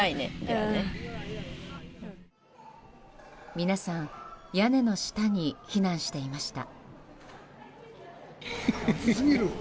皆さん屋根の下に避難していました。